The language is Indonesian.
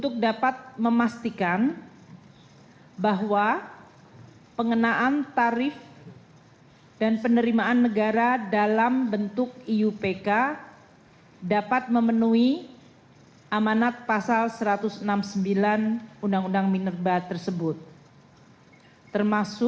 kementerian keuangan telah melakukan upaya upaya